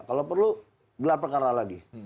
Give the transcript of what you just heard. kalau perlu gelar perkara lagi